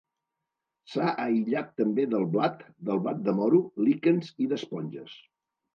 S'ha aïllat també del blat, del blat de moro, líquens i d'esponges.